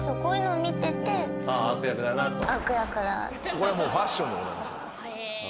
これファッションでございます。